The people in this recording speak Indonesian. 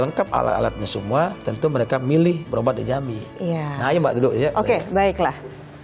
lengkap alat alatnya semua tentu mereka milih berobat di jambi iya nah ayo mbak dulu ya oke baiklah